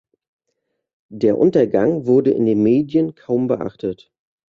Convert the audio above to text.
Der Untergang wurde in den Medien kaum beachtet.